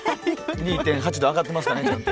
２．８度上がってますかねちゃんと。